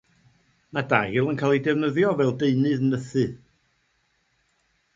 Mae dail yn cael eu defnyddio fel deunydd nythu.